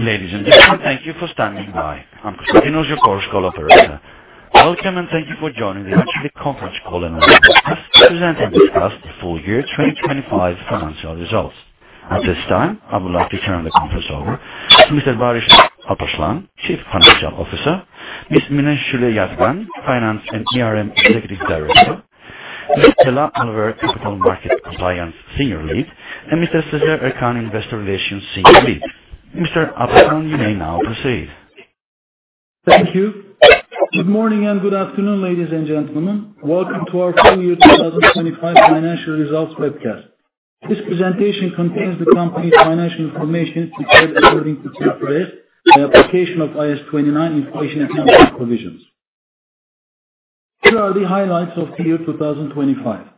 Ladies and gentlemen, thank you for standing by. I'm Constantinos, your Chorus Call operator. Welcome, and thank you for joining the Arçelik conference call and webcast to present and discuss the full year 2025 financial results. At this time, I would like to turn the conference over to Mr. Barış Alparslan, Chief Financial Officer, Ms. Mine Şule Yazgan, Finance and ERM Executive Director, Mr. Alp Uluer, Capital Markets Compliance Senior Lead, and Mr. Sezer Ercan, Investor Relations Senior Lead. Mr. Alparslan, you may now proceed. Thank you. Good morning and good afternoon, ladies and gentlemen. Welcome to our full year 2025 financial results webcast. This presentation contains the company's financial information prepared according to TFRRS, the application of IAS 29, inflation accounting provisions. Here are the highlights of the year 2025.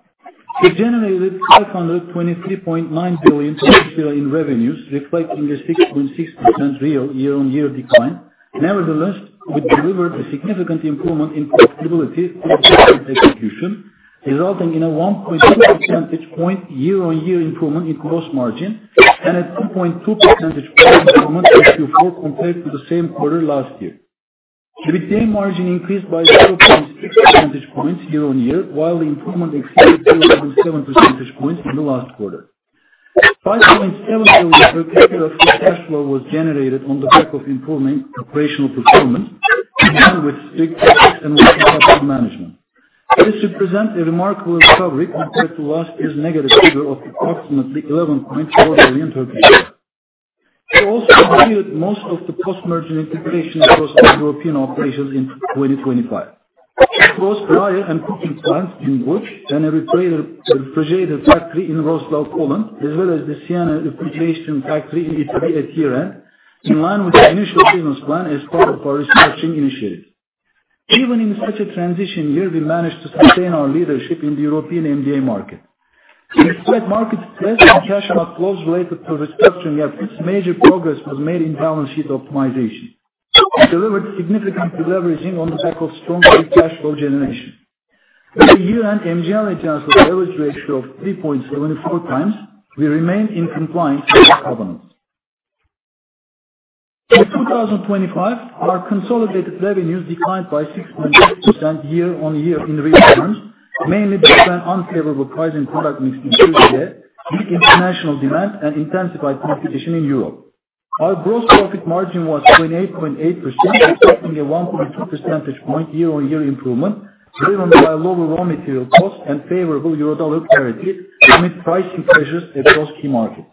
We generated 523.9 billion in revenues, reflecting a 6.6% real year-on-year decline. Nevertheless, we delivered a significant improvement in profitability through cost execution, resulting in a 1.8 percentage point year-on-year improvement in gross margin and a 2.2 percentage point improvement Q4 compared to the same quarter last year. The EBITDA margin increased by 0.6 percentage points year-on-year, while the improvement exceeded 2.7 percentage points in the last quarter. 5.7 billion of free cash flow was generated on the back of improving operational performance, in line with strict CapEx and working capital management. This represents a remarkable recovery compared to last year's negative figure of approximately 11.4 billion. We also completed most of the post-merger integrations across our European operations in 2025. We closed Braille and Kuching plants in Łódź and a refrigerator factory in Wrocław, Poland, as well as the Siena refrigeration factory in Italy at year-end, in line with the initial business plan as part of our restructuring initiative. Even in such a transition year, we managed to sustain our leadership in the European MDA market. Despite market stress and cash outflows related to restructuring efforts, major progress was made in balance sheet optimization, and delivered significant deleveraging on the back of strong free cash flow generation. With a year-end MGL adjusted leverage ratio of 3.74x, we remain in compliance with our covenants. In 2025, our consolidated revenues declined by 6.8% year-on-year in real terms, mainly driven by unfavorable price and product mix in Turkey, weak international demand, and intensified competition in Europe. Our gross profit margin was 28.8%, reflecting a 1.2 percentage point year-on-year improvement driven by lower raw material costs and favorable euro-dollar parity amid pricing pressures across key markets.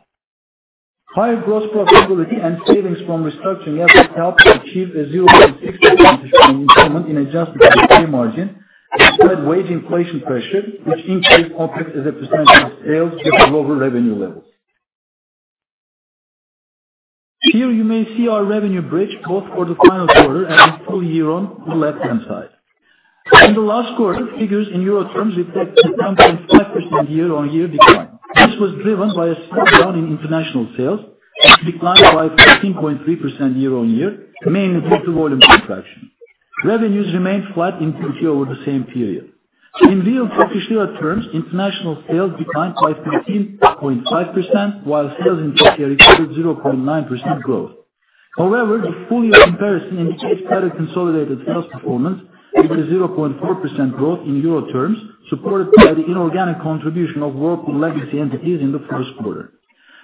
Higher gross profitability and savings from restructuring efforts helped achieve a 0.6 percentage point improvement in adjusted EBITDA margin, despite wage inflation pressure, which increased OpEx as a percentage of sales due to lower revenue levels. Here you may see our revenue bridge both for the final quarter and the full year on the left-hand side. In the last quarter, figures in euro terms reflect a 7.5% year-on-year decline. This was driven by a steep decline in international sales, which declined by 14.3% year-on-year, mainly due to volume contraction. Revenues remained flat in Turkey over the same period. In real Turkish lira terms, international sales declined by 13.5%, while sales in Turkey recorded 0.9% growth. However, the full year comparison indicates better consolidated sales performance, with a 0.4% growth in euro terms, supported by the inorganic contribution of European legacy entities in the first quarter.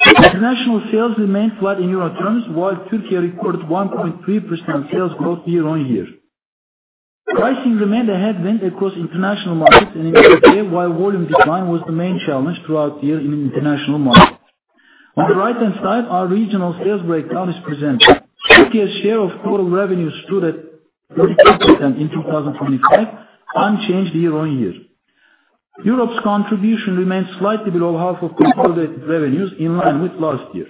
International sales remained flat in euro terms, while Turkey recorded 1.3% sales growth year-on-year. Pricing remained a headwind across international markets and in Turkey, while volume decline was the main challenge throughout the year in international markets. On the right-hand side, our regional sales breakdown is presented. Turkey's share of total revenues stood at 34% in 2025, unchanged year-on-year. Europe's contribution remains slightly below half of consolidated revenues, in line with last year.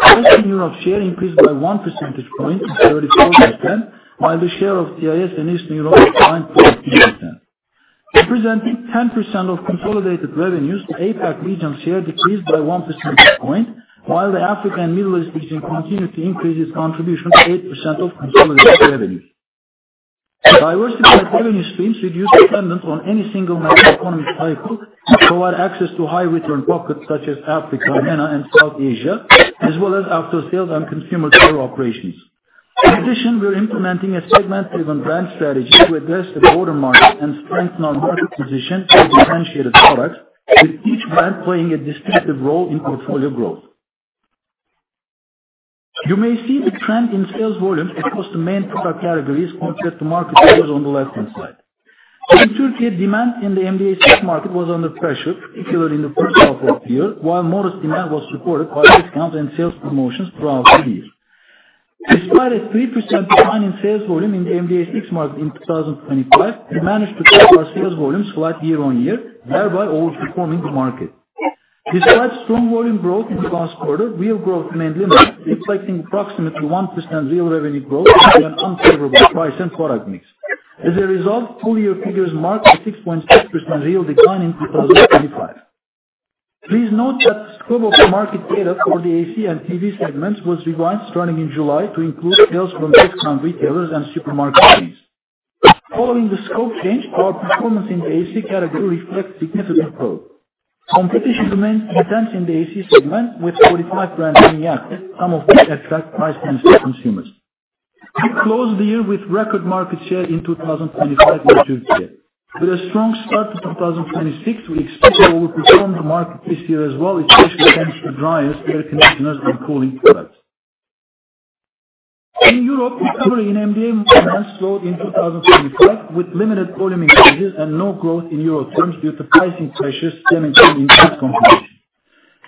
Western Europe's share increased by one percentage point to 34%, while the share of CIS and Eastern Europe declined to 18%. Representing 10% of consolidated revenues, the APAC region share decreased by 1 percentage point, while the Africa and Middle East region continued to increase its contribution to 8% of consolidated revenues. Diversified revenue streams reduce dependence on any single macroeconomic cycle and provide access to high-return pockets such as Africa, MENA, and South Asia, as well as after-sales and consumer durable operations. In addition, we are implementing a segment-driven brand strategy to address the broader market and strengthen our market position through differentiated products, with each brand playing a distinctive role in portfolio growth. You may see the trend in sales volumes across the main product categories compared to market volumes on the left-hand side. In Turkey, demand in the MDA market was under pressure, particularly in the first half of the year, while modest demand was supported by discounts and sales promotions throughout the year. Despite a 3% decline in sales volume in the MDA market in 2025, we managed to keep our sales volumes flat year-on-year, thereby outperforming the market. Despite strong volume growth in the last quarter, real growth remained limited, reflecting approximately 1% real revenue growth due to unfavorable price and product mix. As a result, full-year figures marked a 6.6% real decline in 2025. Please note that scope of the market data for the AC and TV segments was revised starting in July to include sales from discount retailers and supermarket chains. Following the scope change, our performance in the AC category reflects significant growth. Competition remains intense in the AC segment with 45 brands in Iran, some of which attract price-conscious consumers. We closed the year with record market share in 2025 in Turkey. With a strong start to 2026, we expect that we'll outperform the market this year as well, especially thanks to dryers, air conditioners and cooling products. In Europe, recovery in MDA demand slowed in 2025, with limited volume increases and no growth in euro terms due to pricing pressures stemming from intense competition.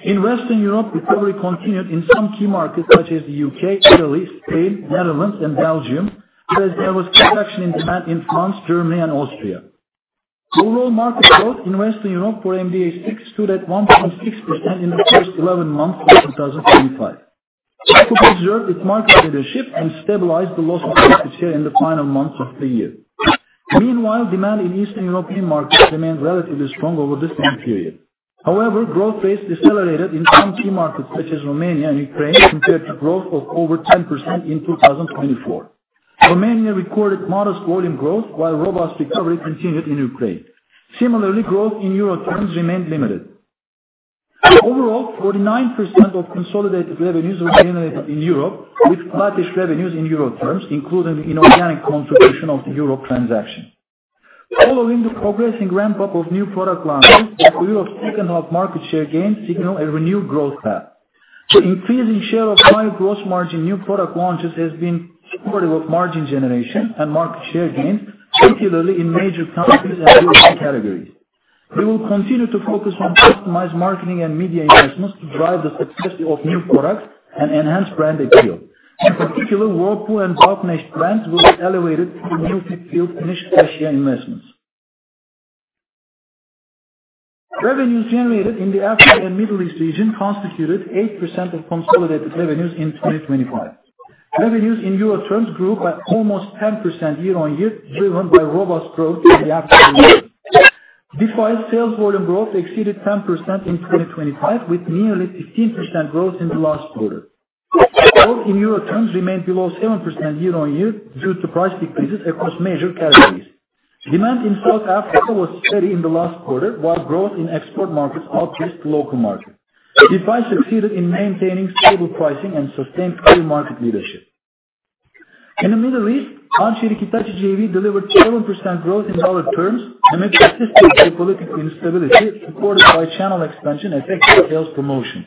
In Western Europe, recovery continued in some key markets such as the U.K., Italy, Spain, Netherlands and Belgium, but there was contraction in demand in France, Germany and Austria. Overall market growth in Western Europe for MDA stood at 1.6% in the first 11 months of 2025. Whirlpool preserved its market leadership and stabilized the loss of market share in the final months of the year. Meanwhile, demand in Eastern European markets remained relatively strong over this time period. However, growth rates decelerated in some key markets such as Romania and Ukraine, compared to growth of over 10% in 2024. Romania recorded modest volume growth while robust recovery continued in Ukraine. Similarly, growth in euro terms remained limited. Overall, 49% of consolidated revenues were generated in Europe, with sluggish revenues in euro terms, including the inorganic contribution of the Europe transaction. Following the progressing ramp-up of new product launches in Q2 of the second half, market share gains signal a renewed growth path. The increasing share of high gross margin new product launches has been supportive of margin generation and market share gains, particularly in major countries and European categories. We will continue to focus on customized marketing and media investments to drive the success of new products and enhance brand appeal. In particular, Whirlpool and Bauknecht brands will be elevated through newly field initiative investments. Revenues generated in the Africa and Middle East region constituted 8% of consolidated revenues in 2025. Revenues in euro terms grew by almost 10% year-on-year, driven by robust growth in the African region. Defy sales volume growth exceeded 10% in 2025, with nearly 15% growth in the last quarter. Growth in euro terms remained below 7% year-on-year due to price decreases across major categories. Demand in South Africa was steady in the last quarter, while growth in export markets outpaced local markets. Defy succeeded in maintaining stable pricing and sustained clear market leadership. In the Middle East, Arçelik Hitachi JV delivered 7% growth in dollar terms, amidst the political instability, supported by channel expansion, effective sales promotions.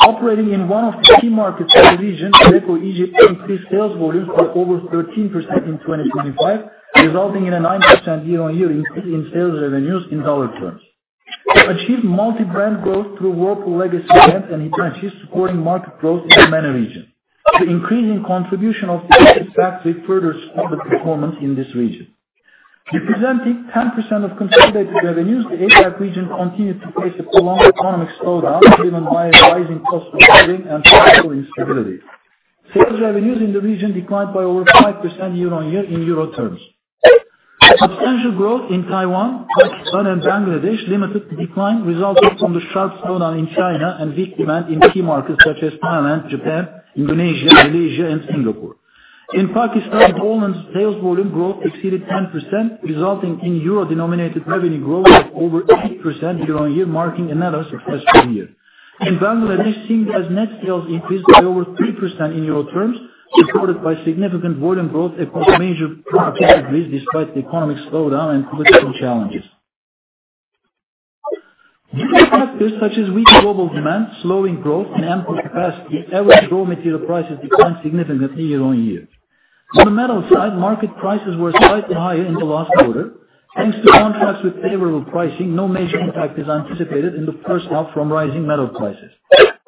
Operating in one of the key markets in the region, Beko Egypt increased sales volumes by over 13% in 2025, resulting in a 9% year-on-year increase in sales revenues in dollar terms. We achieved multi-brand growth through Whirlpool legacy brands and Hitachi brands supporting market growth in the MENA region. The increasing contribution of the Egypt factory further supported performance in this region. Representing 10% of consolidated revenues, the APAC region continued to face a prolonged economic slowdown driven by rising cost of living and political instability. Sales revenues in the region declined by over 5% year-on-year in euro terms. Substantial growth in Taiwan, Pakistan and Bangladesh limited the decline resulting from the sharp slowdown in China and weak demand in key markets such as Thailand, Japan, Indonesia, Malaysia and Singapore. In Pakistan, overall's sales volume growth exceeded 10%, resulting in euro-denominated revenue growth of over 8% year-on-year, marking another successful year. In Bangladesh, Singer's net sales increased by over 3% in euro terms, supported by significant volume growth across major product categories, despite the economic slowdown and political challenges. Due to factors such as weak global demand, slowing growth, and ample capacity, average raw material prices declined significantly year-on-year. On the metal side, market prices were slightly higher in the last quarter. Thanks to contracts with favorable pricing, no major impact is anticipated in the first half from rising metal prices.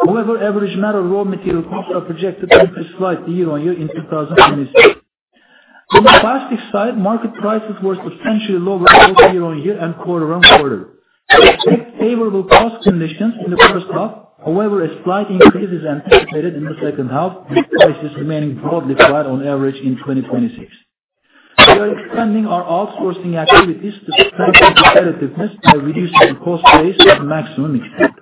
However, average metal raw material costs are projected to increase slightly year-on-year in 2026. On the plastic side, market prices were substantially lower both year-on-year and quarter-on-quarter. Fixed favorable cost conditions in the first half, however, a slight increase is anticipated in the second half, with prices remaining broadly flat on average in 2026. We are expanding our outsourcing activities to strengthen competitiveness by reducing cost base to the maximum extent.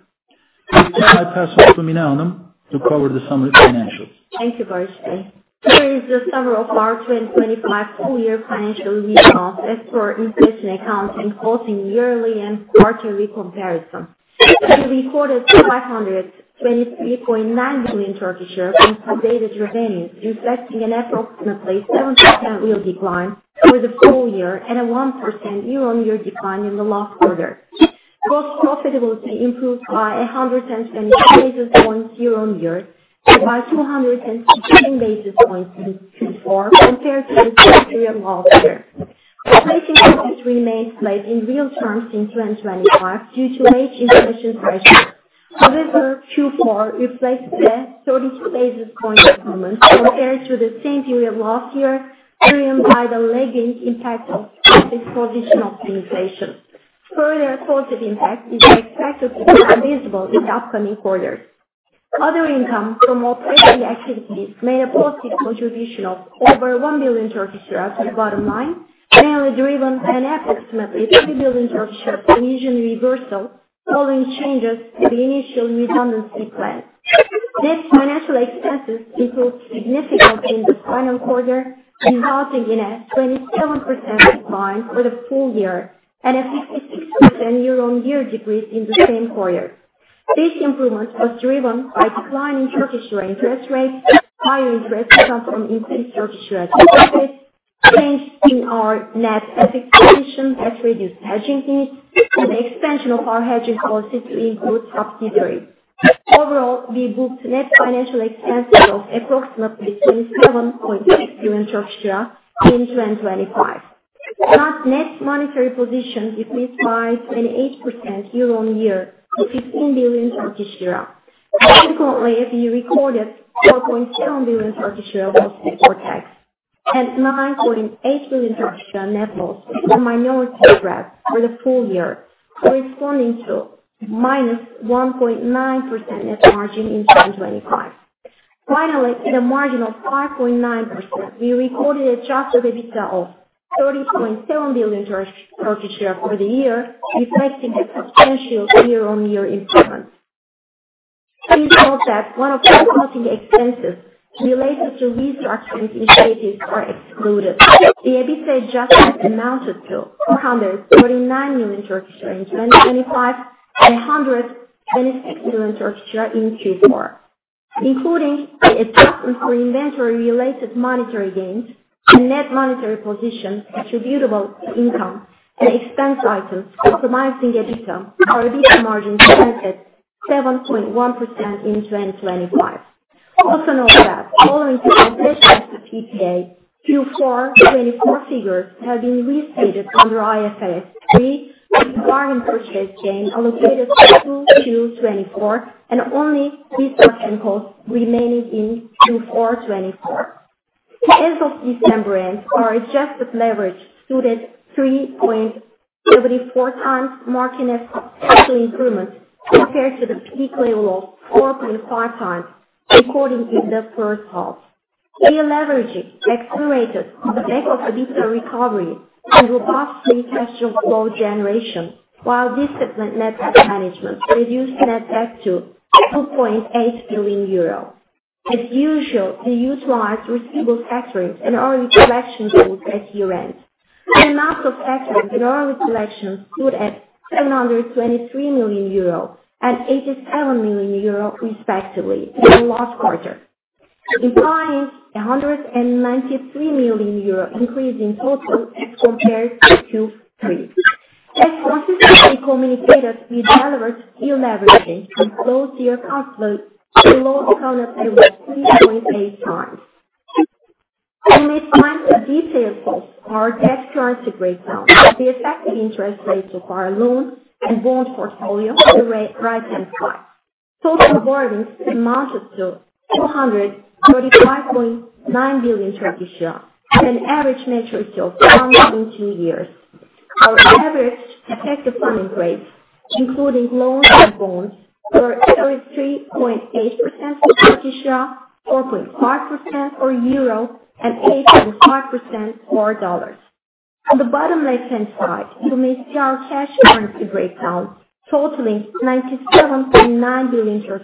I'll pass on to Mine Hanım to cover the summary financials. Thank you, Barış Bey. Here is the summary of our 2025 full year financial results as per inflation accounts, including yearly and quarterly comparison. We recorded 523.9 billion consolidated revenues, reflecting an approximately 7% real decline through the full year and a 1% year-on-year decline in the last quarter. Gross profitability improved by 170 basis points year-on-year and by 215 basis points Q4 compared to the same period last year. Operating profit remained flat in real terms in 2025 due to wage inflation pressure. However, Q4 reflects a 32 basis point improvement compared to the same period last year, driven by the lagging impact of cost and position optimization. Further positive impact is expected to become visible in the upcoming quarters. Other income from operating activities made a positive contribution of over 1 billion to the bottom line, mainly driven by an approximately 3 billion provision reversal following changes to the initial redundancy plan. Net financial expenses improved significantly in the final quarter, resulting in a 27% decline for the full year and a 56% year-on-year decrease in the same quarter. This improvement was driven by a decline in Turkish lira interest rates, higher interest income from increased Turkish lira deposits, change in our net hedging position that reduced hedging needs, and the extension of our hedging policy to include subsidiaries. Overall, we booked net financial expenses of approximately 27.6 billion in 2025. Our net monetary position decreased by 28% year-on-year to TRY 15 billion. Consequently, we recorded TRY 4.7 billion post-tax and TRY 9.8 billion net loss for minority interest for the full year, corresponding to -1.9% net margin in 2025. Finally, at a margin of 5.9%, we recorded an adjusted EBITDA of 30.7 billion for the year, reflecting a substantial year-on-year improvement. Please note that one-off accounting expenses related to restructuring initiatives are excluded. The EBITDA adjustment amounted to 439 million in 2025 and 126 million in Q4 2024. Including the adjustment for inventory-related monetary gains and net monetary position attributable to income and expense items comprising EBITDA, our EBITDA margin stood at 7.1% in 2025. Also note that following the implementation of TAS, Q4 2024 figures have been restated under IFRS 3 with bargain purchase gain allocated to Q2 2024 and only restructuring costs remaining in Q4 2024. As of December end, our adjusted leverage stood at 3.74x, marking a substantial improvement compared to the peak level of 4.5x recorded in the first half. Deleveraging accelerated on the back of EBITDA recovery and robust free cash flow generation, while disciplined net debt management reduced net debt to 2.8 billion euro. As usual, we utilized receivable factoring and early collection tools at year-end. The amount of factoring and early collection stood at 723 million euro and 87 million euro respectively in the last quarter, implying a 193 million euro increase in total as compared to Q3. As consistently communicated, we delivered deleveraging and closed the year cash flow to loan covenant at 3.8x. You may find the details of our debt currency breakdown. The effective interest rates of our loan and bond portfolio are on the right-hand side. Total borrowings amounted to 235.9 billion, an average maturity of 1.2 years. Our average effective funding rates, including loans and bonds, were 33.8% for Turkish lira, 4.5% for euro, and 8.5% for dollars. On the bottom left-hand side, you may see our cash currency breakdown totaling 97.9 billion.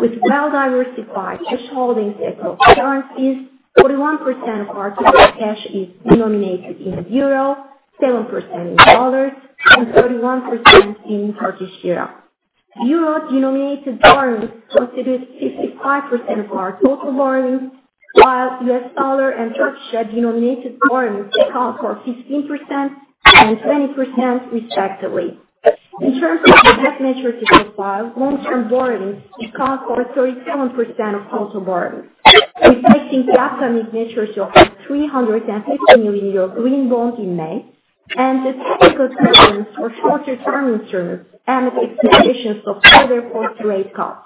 With well-diversified cash holdings across currencies, 41% of our total cash is denominated in euro, 7% in dollars, and 31% in Turkish lira. Euro-denominated borrowings constitute 55% of our total borrowings, while US dollar and Turkish lira-denominated borrowings account for 15% and 20% respectively. In terms of the debt maturity profile, long-term borrowings account for 37% of total borrowings, reflecting the upcoming maturity of our 350 million euro green bond in May and the typical patterns for shorter-term issuance amid expectations of further post-rate cuts.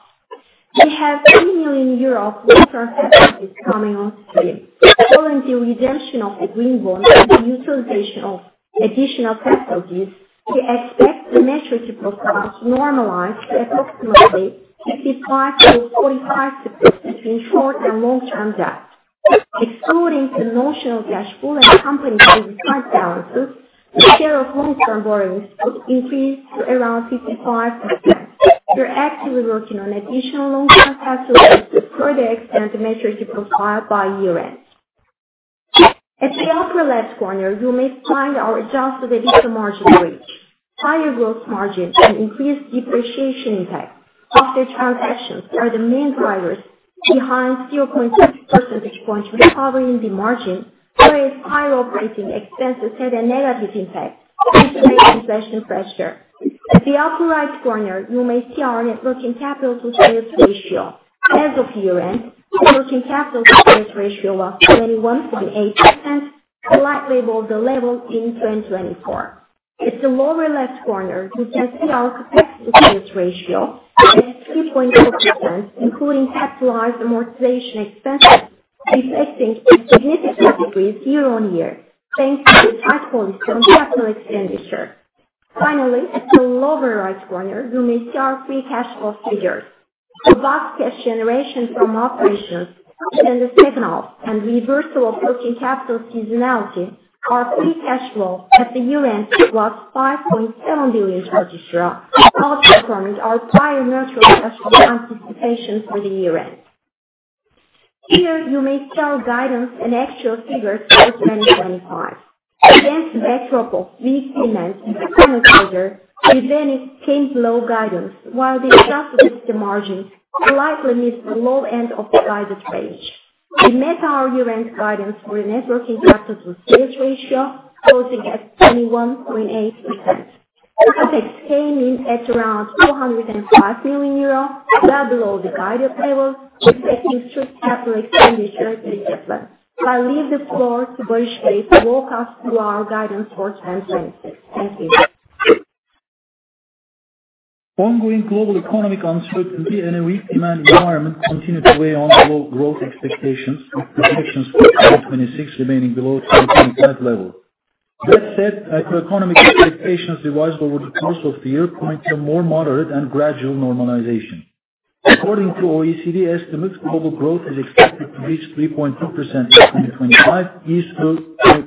We have 3 million euros of long-term facilities coming on stream. Following the redemption of the green bond and the utilization of additional facilities, we expect the maturity profile to normalize to approximately 55%-45% between short- and long-term debt. Excluding the notional cash pool and company inside balances, the share of long-term borrowings would increase to around 55%. We're actively working on additional long-term facilities to further extend the maturity profile by year-end. At the upper left corner, you may find our adjusted EBITDA margin range. Higher gross margin and increased depreciation impact of the transactions are the main drivers behind 250 percentage points recovery in the margin, whereas higher operating expenses had a negative impact amid inflation pressure. At the upper right corner, you may see our net working capital to sales ratio. As of year-end, the working capital to sales ratio was 21.8%, slightly above the level in 2024. At the lower left corner, you can see our CapEx to sales ratio at 3.2%, including capitalized amortization expenses, reflecting a significant decrease year-on-year, thanks to the tight focus on capital expenditure. Finally, at the lower right corner, you may see our free cash flow figures. Robust cash generation from operations, dividend spin-offs, and reversal of working capital seasonality, our free cash flow at the year-end was TRY 5.7 billion, outperforming our prior initial cash flow anticipation for the year-end. Here you may see our guidance and actual figures for 2025. Against the backdrop of weak demand in the second quarter, we then lowered guidance while we adjusted the margins to likely meet the low end of the guided range. We met our year-end guidance for a net working capital to sales ratio closing at 21.8%. OpEx came in at around 205 million euros, well below the guided level, reflecting strict capital expenditure discipline. I leave the floor to Barış Bey to walk us through our guidance for 2026. Thank you. Ongoing global economic uncertainty and a weak demand environment continue to weigh on global growth expectations, with projections for 2026 remaining below 2025 levels. That said, macroeconomic expectations revised over the course of the year point to a more moderate and gradual normalization. According to OECD estimates, global growth is expected to reach 3.2% in 2025, ease to 2.9%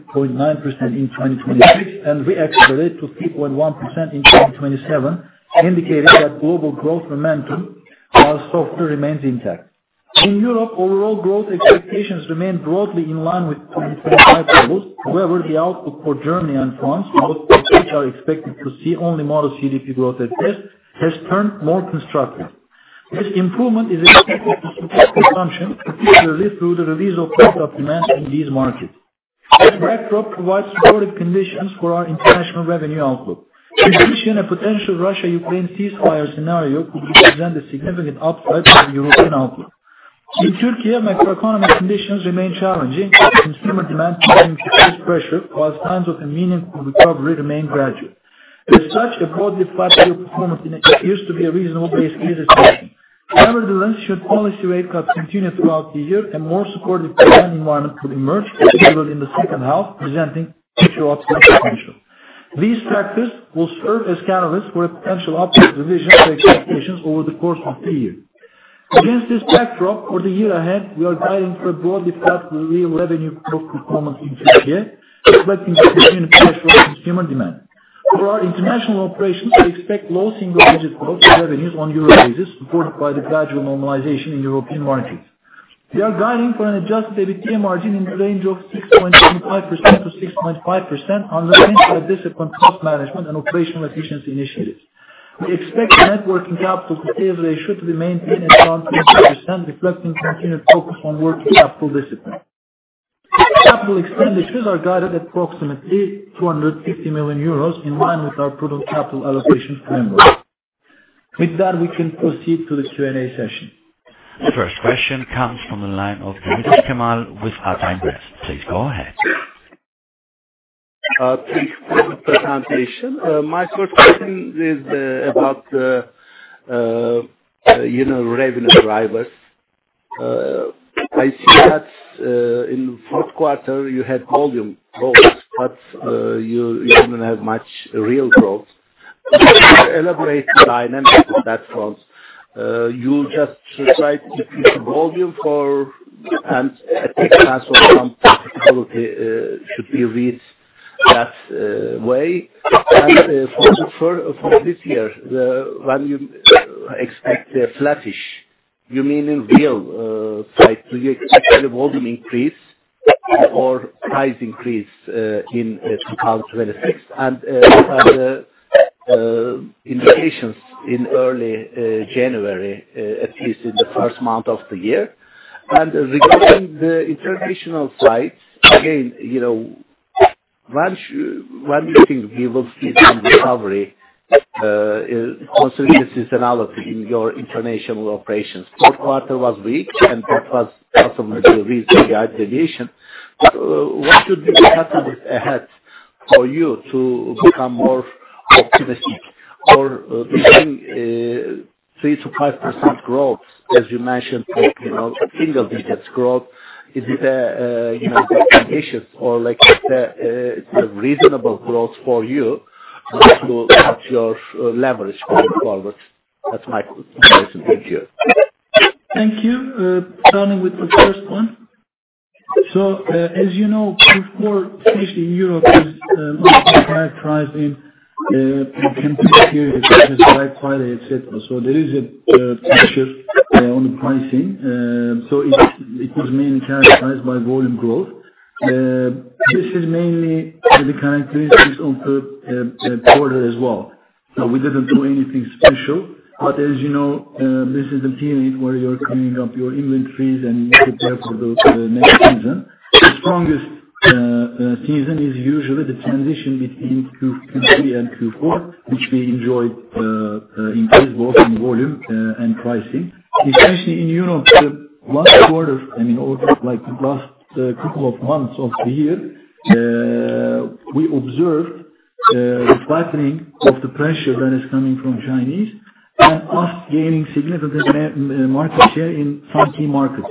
in 2026, and reaccelerate to 3.1% in 2027, indicating that global growth momentum, while softer, remains intact. In Europe, overall growth expectations remain broadly in line with 2025 levels. However, the outlook for Germany and France, both of which are expected to see only modest GDP growth at best, has turned more constructive. This improvement is attributed to subdued consumption, particularly through the release of pent-up demand in these markets. This backdrop provides supportive conditions for our international revenue outlook. In addition, a potential Russia-Ukraine ceasefire scenario could represent a significant upside for the European outlook. In Turkey, macroeconomic conditions remain challenging, with consumer demand continuing to face pressure while signs of a meaningful recovery remain gradual. As such, a broadly flat year-over-year performance in Turkey appears to be a reasonable base case assumption. However, if the anticipated policy rate cuts continue throughout the year, a more supportive funding environment could emerge, especially in the second half, presenting potential upside potential. These factors will serve as catalysts for a potential upward revision to expectations over the course of the year. Against this backdrop, for the year ahead, we are guiding for a broadly flat real revenue growth performance in Turkey, reflecting the continuing pressure on consumer demand. For our international operations, we expect low single-digit growth in revenues on a euro basis, supported by the gradual normalization in European markets. We are guiding for an adjusted EBITDA margin in the range of 6.5%-6.5% underlying tight discipline cost management and operational efficiency initiatives. We expect the net working capital to sales ratio to be maintained around 20%, reflecting continued focus on working capital discipline. Capital expenditures are guided at approximately 250 million euros, in line with our prudent capital allocation framework. With that, we can proceed to the Q&A session. The first question comes from the line of Demirtaş Cemal with Ata Invest. Please go ahead. Thank you for the presentation. My first question is about the revenue drivers. I see that in the fourth quarter you had volume growth, but you didn't have much real growth. Could you elaborate on the dynamics on that front? You just try to keep the volume up, and take advantage of some quality? Should we read it that way? For this year, when you expect flattish, you mean in real terms. Do you expect a volume increase or price increase in 2026? Indications in early January, at least in the first month of the year. Regarding the international side, again, when do you think we will see some recovery considering the seasonality in your international operations? The fourth quarter was weak and that was possibly the reason behind the deviation. What should be the catalyst ahead for you to become more optimistic or between 3%-5% growth, as you mentioned, single digits growth? Is it the indications or is that a reasonable growth for you to cut your leverage going forward? That's my question. Thank you. Thank you. Starting with the first one. As you know, Q4, especially in Europe, is usually characterized in competitive period such as Black Friday, et cetera. There is a pressure on the pricing. It was mainly characterized by volume growth. This is mainly the characteristics of third quarter as well. We didn't do anything special. As you know, this is the period where you're cleaning up your inventories and you prepare for the next season. The strongest season is usually the transition between Q3 and Q4, which we enjoyed increase both in volume and pricing. Especially in Europe, the last quarter and in all of the last couple of months of the year, we observed a flattening of the pressure that is coming from Chinese and us gaining significant market share in some key markets.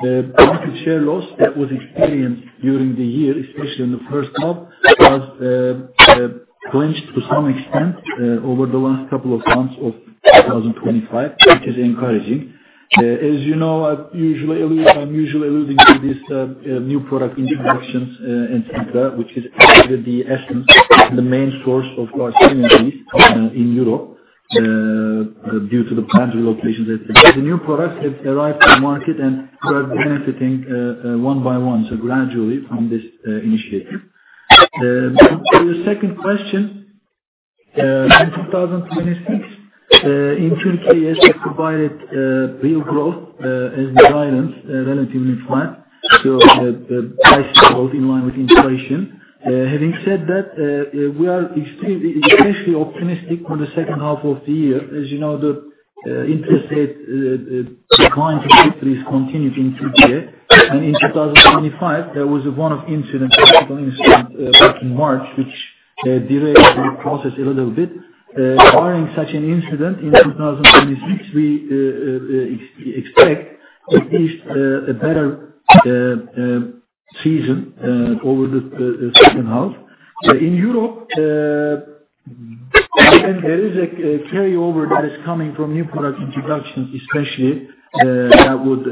The market share loss that was experienced during the year, especially in the first half, was reversed to some extent over the last couple of months of 2025, which is encouraging. As you know, I'm usually alluding to these new product introductions, et cetera, which is actually the essence and the main source of our synergies in Europe due to the plant relocations et cetera. The new products have arrived to the market, and we are benefiting one by one, so gradually from this initiative. To the second question, in 2026, in Turkey, yes, we provided real growth as guidance, relatively flat. The price growth in line with inflation. Having said that, we are extremely, especially optimistic on the second half of the year. As you know, the interest rate decline trajectory has continued in Turkey. In 2025, there was one incident, technical incident, back in March, which delayed the process a little bit. Barring such an incident in 2026, we expect at least a better season over the second half. In Europe, again, there is a carryover that is coming from new product introductions especially, that would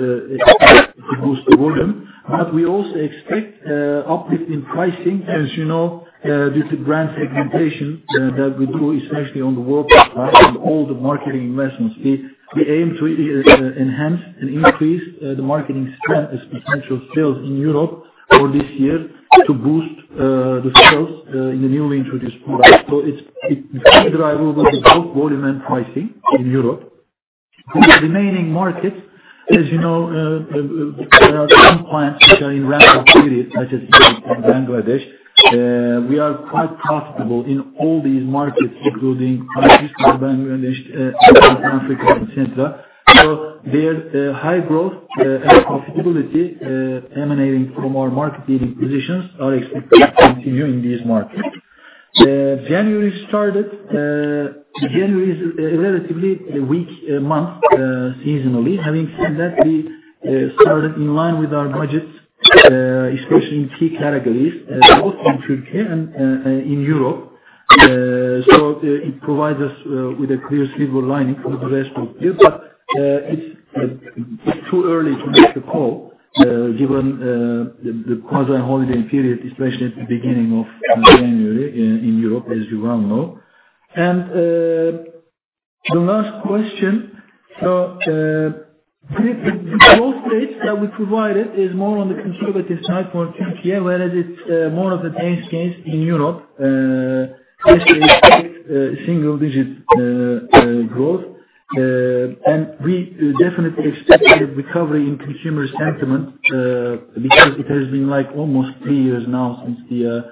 boost the volume. We also expect uplift in pricing. As you know, with the brand segmentation that we do, especially on the Whirlpool side and all the marketing investments, we aim to enhance and increase the marketing spend and potential sales in Europe for this year to boost the sales in the newly introduced products. It's driven by both volume and pricing in Europe. For the remaining markets, as you know, there are some plants which are in ramp-up period, such as Egypt and Bangladesh. We are quite profitable in all these markets, including Pakistan, Bangladesh, Africa, et cetera. Their high growth and profitability emanating from our market-leading positions are expected to continue in these markets. January is a relatively weak month seasonally. Having said that, we started in line with our budgets, especially in key categories, both in Turkey and in Europe. It provides us with a clear silver lining for the rest of the year. It's too early to make a call given the quasi holiday period, especially at the beginning of January in Europe, as you well know. The last question. The growth rates that we provided is more on the conservative side for Turkey, whereas it's more of the case in Europe. This is single digit growth. We definitely expect a recovery in consumer sentiment, because it has been almost three years now since the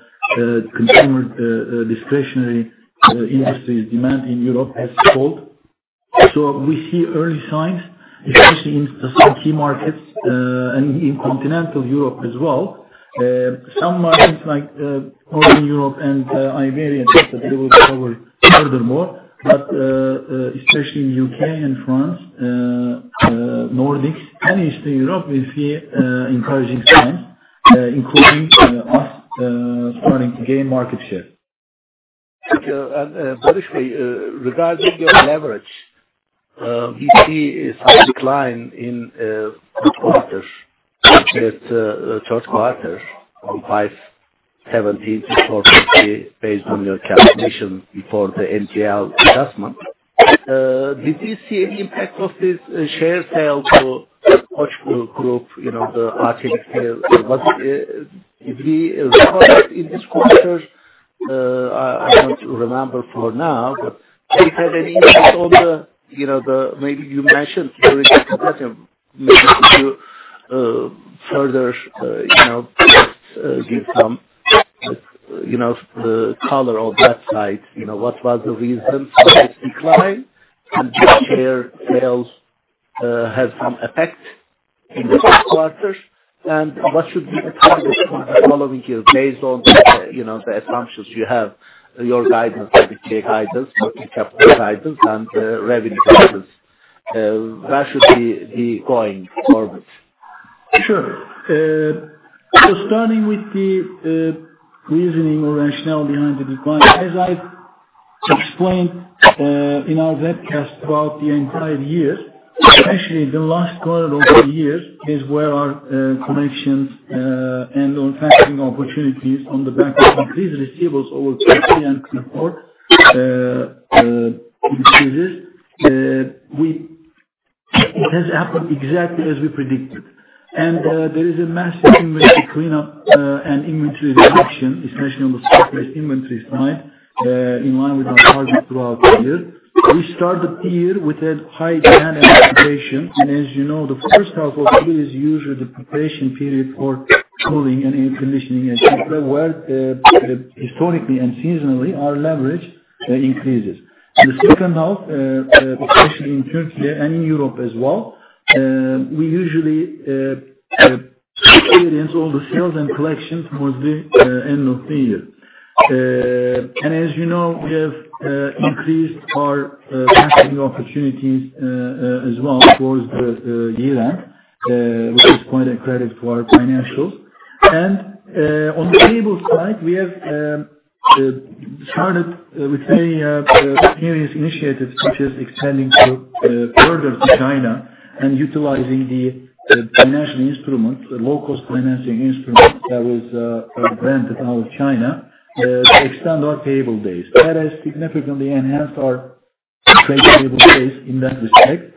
consumer discretionary industry demand in Europe has slowed. We see early signs, especially in some key markets, and in continental Europe as well. Some markets like Northern Europe and Iberia, they will recover furthermore, but especially in U.K. and France, Nordics, and Eastern Europe, we see encouraging signs, including us starting to gain market share. Barış Bey, regarding your leverage, we see a slight decline in this quarter, that third quarter from 5.70 to 4.50, based on your calculation before the NMP adjustment. Did you see any impact of this share sale to Koç Holding? The Arçelik sale. Did we reflect that in this quarter? I don't remember for now, but did it have any impact on the. Maybe you mentioned during the presentation. Maybe if you further give some, the color of that side. What was the reason for this decline? Did the share sales have some effect in this quarter? What should be the target for the following years based on the assumptions you have, your guidance for the capex guidance, for the capital guidance, and revenue guidance? Where should be the going forward? Sure. Starting with the reasoning or rationale behind the decline, as I explained in our webcast about the entire year, actually the last quarter of the year is where our collections and factoring opportunities on the back of increased receivables over Turkey and export increases. It has happened exactly as we predicted. There is a massive inventory cleanup and inventory reduction, especially on the stock-based inventory side, in line with our target throughout the year. We started the year with a high demand expectation. As you know, the first half of the year is usually the preparation period for cooling and air conditioning et cetera, where historically and seasonally, our leverage increases. The second half, especially in Turkey and in Europe as well, we usually experience all the sales and collections towards the end of the year. As you know, we have increased our factoring opportunities as well towards the year end, which is quite a credit to our financials. On the payables side, we have started with various initiatives such as expanding further to China and utilizing the financial instrument, the low-cost financing instrument that was granted out of China to extend our payable days. That has significantly enhanced our trade payable days in that respect.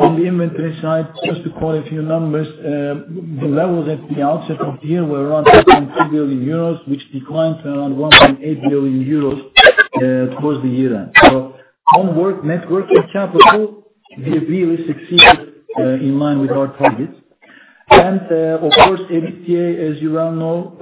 On the inventory side, just to quote a few numbers, the levels at the outset of the year were around 1.2 billion euros, which declined to around 1.8 billion euros towards the year-end. So on net working capital, we have really succeeded in line with our targets. Of course, EBITDA, as you well know,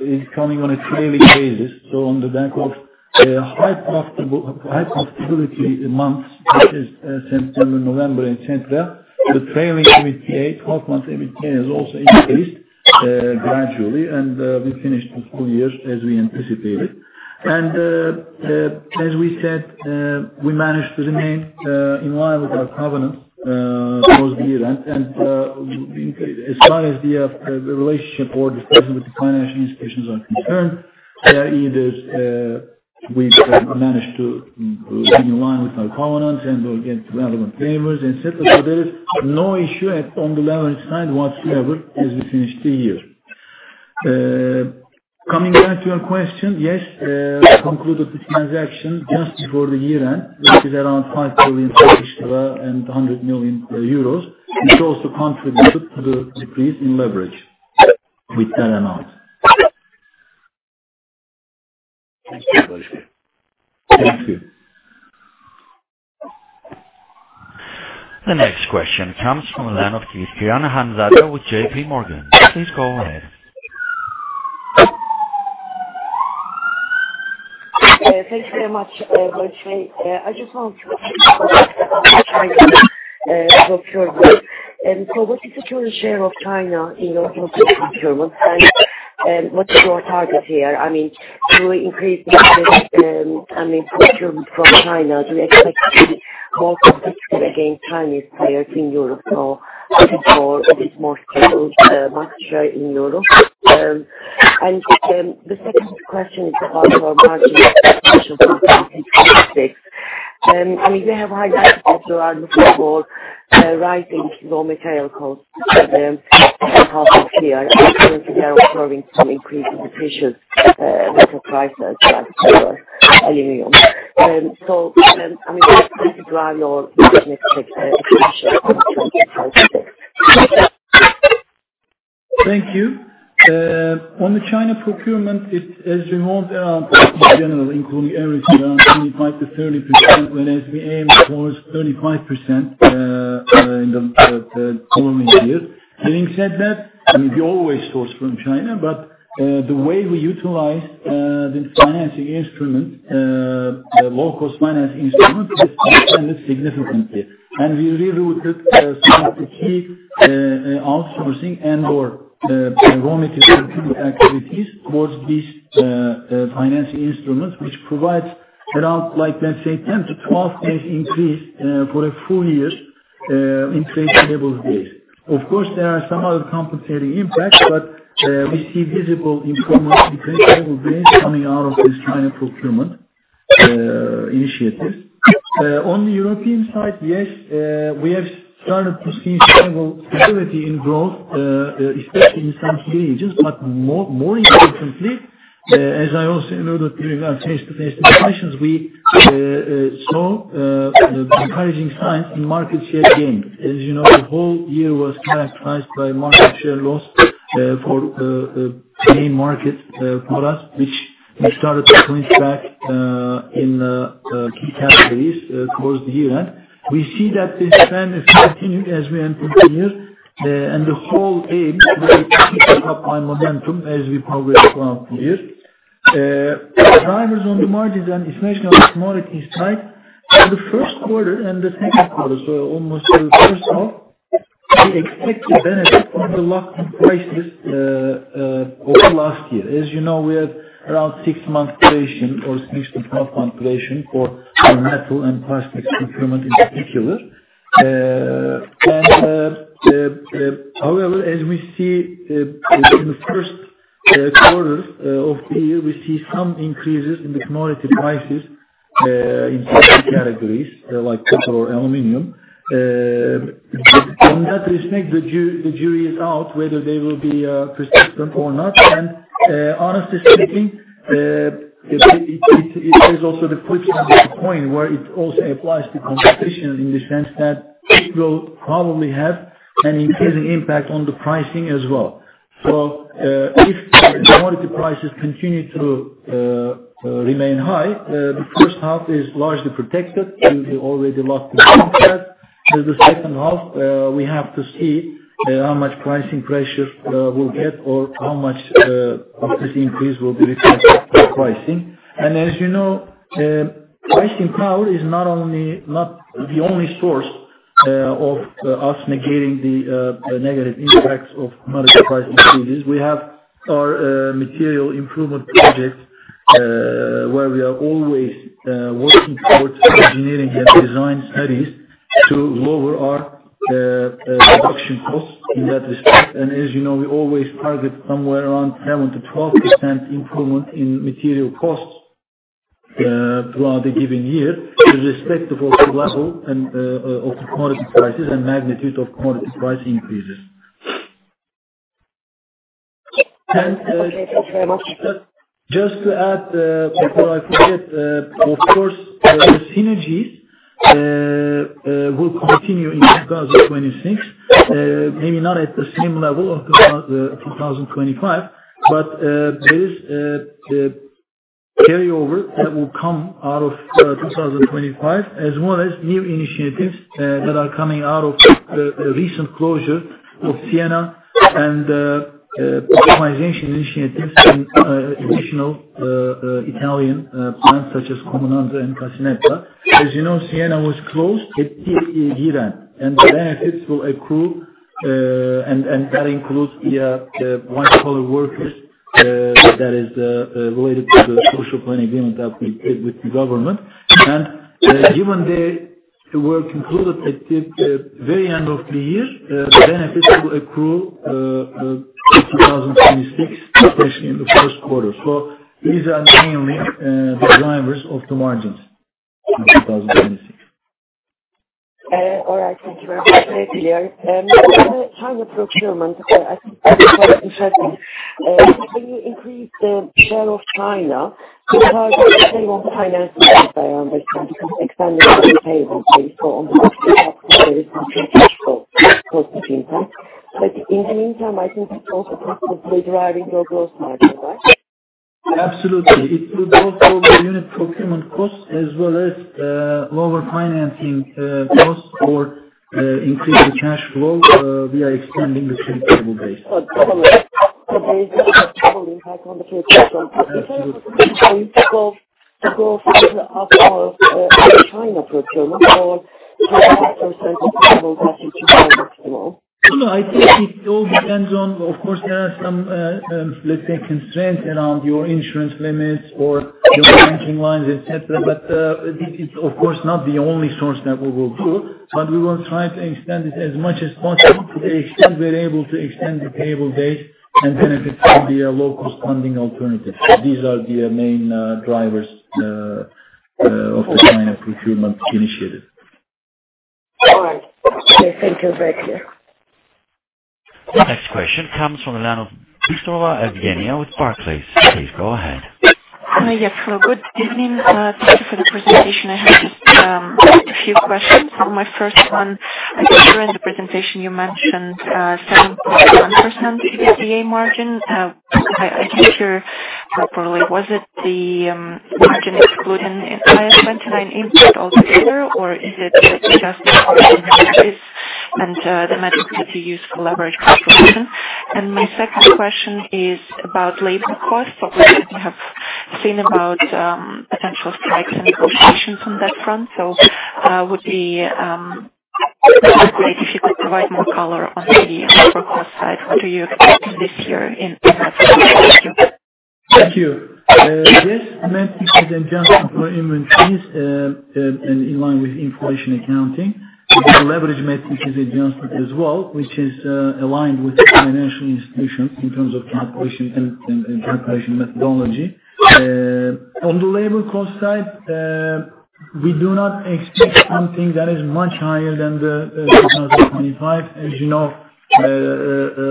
is coming on a trailing basis. On the back of high profitability months, which is September, November, et cetera, the trailing EBITDA, 12-month EBITDA has also increased gradually. We finished the full year as we anticipated. As we said, we managed to remain in line with our covenants towards the year-end. As far as the relationship or discussion with the financial institutions are concerned, therefore we've managed to be in line with our covenants and will get relevant waivers, et cetera. There is no issue on the leverage side whatsoever as we finish the year. Coming back to your question, yes, we concluded this transaction just before the year-end, which is around 5 billion and 100 million euros. It also contributed to the decrease in leverage with that amount. Thank you very much. Thank you. The next question comes from the line of Kilickiran Hanzade with JPMorgan. Please go ahead. Thank you very much, Barış. I just wanted to ask about China procurement. What is the current share of China in your total procurement, and what is your target here to increase business and import procurement from China? Do you expect to be more competitive against Chinese players in Europe or a bit more secured market share in Europe? The second question is about your margin expansion for 2026. We have heard that Otlu are looking for a rise in raw material costs in the second half of the year, and currently, they are observing some increase in the precious metal prices like silver, aluminum. How do you plan or you can expect expansion on 2026? Thank you. On the China procurement, it's as you know, there are, in general, including everything, around 25%-30%, whereas we aim towards 35% in the coming year. Having said that, we always source from China, but the way we utilize this financing instrument, the low-cost financing instrument, has expanded significantly. We rerouted some of the key outsourcing and/or raw material procurement activities towards this financing instrument, which provides around, let's say, 10-12 days increase for a full year in trade payable days. Of course, there are some other compensating impacts, but we see visible improvement in trade payable days coming out of this China procurement initiatives. On the European side, yes, we have started to see stable stability in growth, especially in some key areas, but more importantly, as I also alluded to in our face-to-face discussions, we saw encouraging signs in market share gain. As you know, the whole year was characterized by market share loss for the main market for us, which we started to win back in key categories towards the year-end. We see that this trend is continued as we enter new year, and the whole aim is that it will pick up fine momentum as we progress throughout the year. Drivers on the margins and inflation of commodity in sight for the first quarter and the second quarter, so almost the first half, we expect to benefit from the locked-in prices over last year. As you know, we have around six-month duration or six- to 12-month duration for metal and plastics procurement, in particular. However, as we see in the first quarters of the year, we see some increases in the commodity prices in certain categories like copper or aluminum. In that respect, the jury is out whether they will be persistent or not. Honestly speaking, it is also the flip side of the coin where it also applies to competition in the sense that it will probably have an increasing impact on the pricing as well. If commodity prices continue to remain high, the first half is largely protected due to already locked in contracts. The second half, we have to see how much pricing pressure we'll get or how much of this increase will be reflected in our pricing. As you know, pricing power is not the only source of us negating the negative impacts of commodity price increases. We have our material improvement projects, where we are always working towards engineering and design studies to lower our production costs in that respect. As you know, we always target somewhere around 7%-12% improvement in material costs. Throughout the given year, irrespective of the level of commodity prices and magnitude of commodity price increases. Okay. Thank you very much. Just to add before I forget, of course, the synergies will continue in 2026, maybe not at the same level of 2025, but there is the carryover that will come out of 2025, as well as new initiatives that are coming out of the recent closure of Siena and the optimization initiatives in additional Italian plants such as Comunanza and Cassinetta. As you know, Siena was closed at the year-end, and the benefits will accrue, and that includes the white-collar workers that is related to the social planning agreement that we did with the government. Given they were concluded at the very end of the year, the benefits will accrue to 2026, especially in the first quarter. These are mainly the drivers of the margins in 2026. All right. Thank you very much. Very clear. On the China procurement, I think that is very interesting. Will you increase the share of China because they want to finance extend the payable date for positive impact. In the meantime, I think it's also possibly driving your gross margin, right? Absolutely. It will both lower the unit procurement costs as well as lower financing costs or increase the cash flow via extending the payable base. Okay. Double impact on the trade front. Absolutely. In terms of the growth of our China procurement, or to what extent maximize it all? No, I think it all depends on, of course, there are some, let's say, constraints around your insurance limits or your banking lines, et cetera. It's of course not the only source that we will do, but we will try to extend it as much as possible to the extent we're able to extend the payable base, and benefit from the local funding alternative. These are the main drivers of the China procurement initiative. All right. Okay, thank you. Very clear. Next question comes from the line of Bystrova Evgeniya with Barclays. Please go ahead. Hi, yes. Good evening. Thank you for the presentation. I have just a few questions. On my first one, I think during the presentation you mentioned 7.1% EBITDA margin. I didn't hear properly. Was it the margin excluding IAS 29 impact altogether, or is it adjusted for inventories and the method that you use for leverage calculation? My second question is about labor costs. Obviously, we have seen about potential strikes and negotiations on that front. It would be great if you could provide more color on the workforce side. What are you expecting this year in that space? Thank you. Thank you. Yes, metric is adjusted for inventories, and in line with inflation accounting. The leverage metric is adjusted as well, which is aligned with the financial institutions in terms of calculation and calculation methodology. On the labor cost side, we do not expect something that is much higher than 2025. As you know,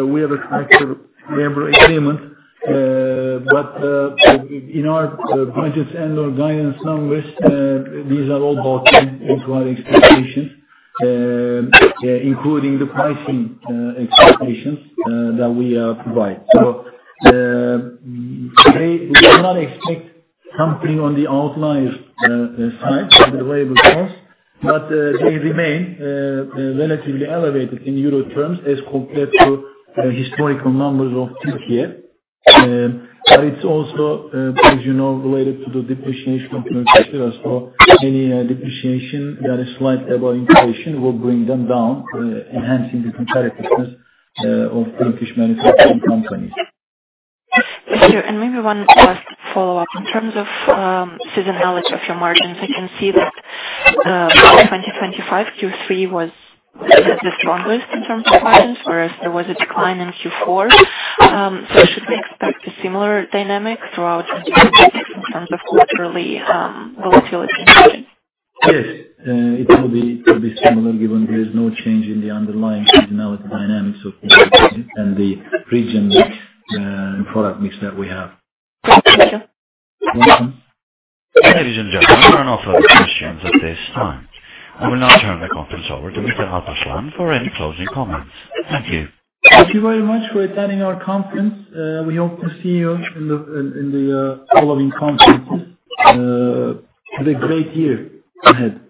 we have an active labor agreement. In our budgets and/or guidance numbers, these are all built-in into our expectations, including the pricing expectations that we provide. We do not expect something on the outlier side with the labor costs, but they remain relatively elevated in euro terms as compared to historical numbers of Turkey. It's also, as you know, related to the depreciation of Turkish lira. Any depreciation that is slightly above inflation will bring them down, enhancing the competitiveness of Turkish manufacturing companies. Thank you. Maybe one last follow-up. In terms of seasonality of your margins, I can see that 2025 Q3 was the strongest in terms of margins, whereas there was a decline in Q4. Should we expect a similar dynamic throughout 2026 in terms of quarterly volatility? Yes. It will be similar given there is no change in the underlying seasonality dynamics of the region mix and product mix that we have. Thank you. Welcome. Ladies and gentlemen, there are no further questions at this time. I will now turn the conference over to Mr. Alparslan for any closing comments. Thank you. Thank you very much for attending our conference. We hope to see you in the following conferences. Have a great year ahead.